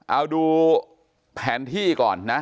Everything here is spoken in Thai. เอาดูแผนที่ก่อนนะ